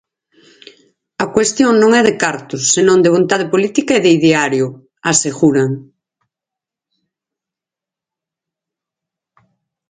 A cuestión non é de cartos, senón de "vontade política e de ideario", aseguran.